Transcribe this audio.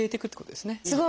すごい！